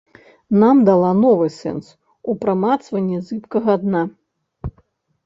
Нам дала новы сэнс у прамацванні зыбкага дна.